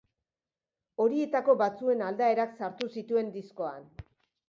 Horietako batzuen aldaerak sartu zituen diskoan.